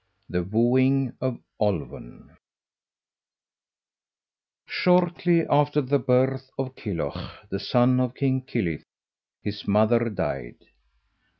THE WOOING OF OLWEN Shortly after the birth of Kilhuch, the son of King Kilyth, his mother died.